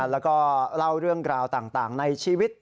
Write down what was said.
แล้วก็เล่าเรื่องราวต่างในชีวิต